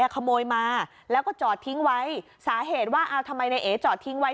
ขโมยมาแล้วก็จอดทิ้งไว้สาเหตุว่าเอาทำไมนายเอ๋จอดทิ้งไว้